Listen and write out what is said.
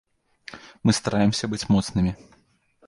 Мы стараемся быць моцнымі.